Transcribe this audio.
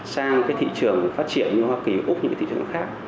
sang cái thị trường phát triển như hoa kỳ úc những cái thị trường khác